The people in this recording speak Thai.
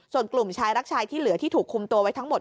ส่วนกลุ่มชายรักชายที่เหลือที่ถูกคุมตัวไว้ทั้งหมด